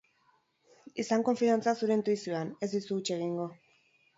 Izan konfidantza zure intuizioan, ez dizu eta huts egingo.